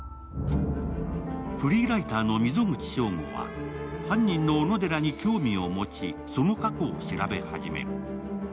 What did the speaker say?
フリーライターの溝口省吾は、犯人の小野寺に興味を持ち、その過去を調べ始める。